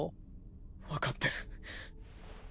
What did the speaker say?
わかってる。